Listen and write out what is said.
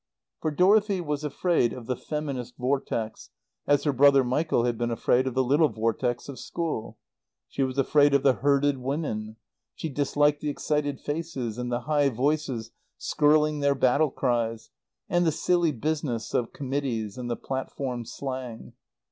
For Dorothy was afraid of the Feminist Vortex, as her brother Michael had been afraid of the little vortex of school. She was afraid of the herded women. She disliked the excited faces, and the high voices skirling their battle cries, and the silly business of committees, and the platform slang.